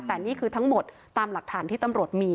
แต่นี่คือทั้งหมดตามหลักฐานที่ตำรวจมี